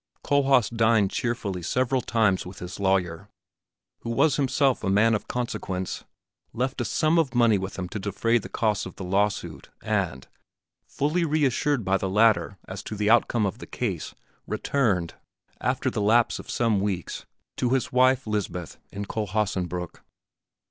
Kohlhaas dined cheerfully several times with his lawyer, who was himself a man of consequence, left a sum of money with him to defray the costs of the lawsuit and, fully reassured by the latter as to the outcome of the case, returned, after the lapse of some weeks, to his wife Lisbeth in Kohlhaasenbrück.